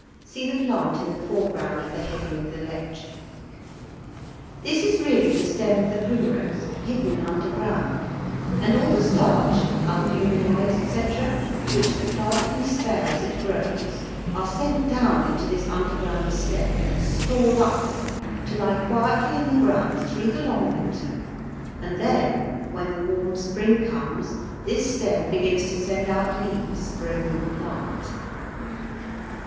(See the plant in the foreground of the heading of the lecture.) This is really the stem of the primrose hidden underground, and all the starch, albuminoids, &c., which the plant can spare as it grows, are sent down into this underground stem and stored up there, to lie quietly in the ground through the long winter, and then when the warm spring comes this stem begins to send out leaves for a new plant.